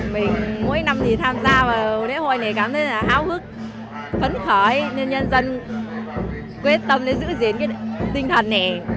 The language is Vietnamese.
mình mỗi năm thì tham gia vào lễ hội này cảm thấy là háo hức phấn khởi nên nhân dân quyết tâm để giữ diễn cái tinh thần này